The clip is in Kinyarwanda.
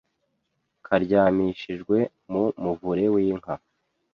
karyamishijwe mu muvure w'inka.